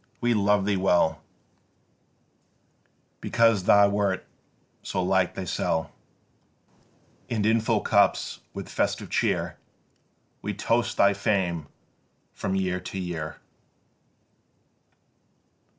we love thee well Because thou wert so like thysel', And in full cups with festive cheer We toast thy fame from year to year.